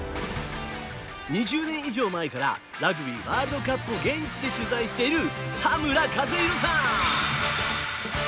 ２０年以上前からラグビーワールドカップを現地で取材している田村一博さん。